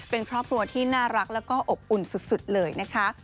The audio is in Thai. เป็นครอบครัวที่น่ารักแล้วก็อบอุ่นสุดเลยนะคะ